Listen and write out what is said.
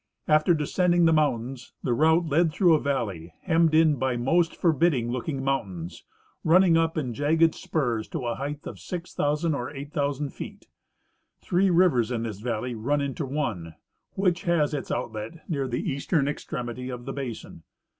After descending the mountains, the route led through a valley hemmed in by most forbidding booking mountains, run ning up in jagged spurs to a height of 6,000 or 8,000 feet. Three rivers in this valley run into one, which has its outlet near the eastern extremity of the basin.